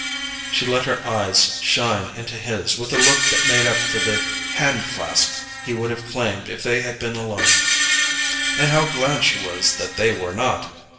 She let her eyes shine into his with a look that made up for the hand clasp he would have claimed if they had been alone—and how glad she was that they were not!